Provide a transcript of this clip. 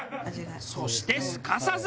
そしてすかさず。